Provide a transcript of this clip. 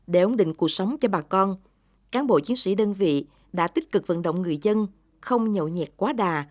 để ổn định cuộc sống cho bà con cán bộ chiến sĩ đơn vị đã tích cực vận động người dân không nhậu nhẹt quá đà